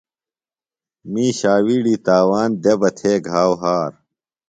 می ݜاوِیڑی تاوان دےۡ بہ تھے گھاؤ ہار۔